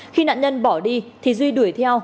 khi nạn nhân bỏ đi thì duy đuổi theo